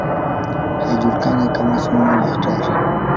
Haijulikani kama sumu ni hatari.